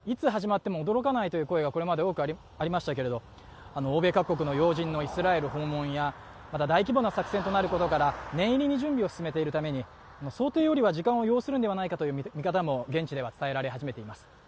地上侵攻については、いつ始まっても驚かないという声がこれまでありましたけど欧米各国の要人のイスラエル訪問や大規模な作戦となることから念入りに準備を進めているために想定よりは時間を要するのではないかという見方も現地では伝えられています。